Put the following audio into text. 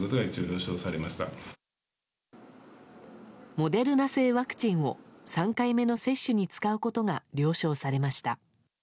モデルナ製ワクチンを３回目の接種に使うことが了承されました。